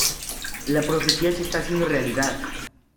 La profecía se está haciendo realidad.